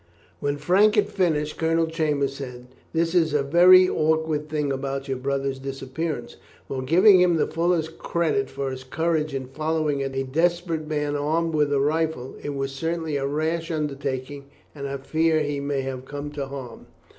When Frank had finished, Colonel Chambers said: "This is a very awkward thing about your brother's disappearance. While giving him the fullest credit for his courage in following a desperate man armed with a rifle, it was certainly a rash undertaking, and I fear that he may have come to harm."